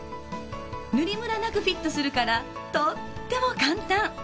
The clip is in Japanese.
塗りムラなくフィットするからとっても簡単。